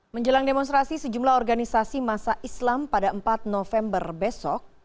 menjelang demonstrasi sejumlah organisasi masa islam pada empat november besok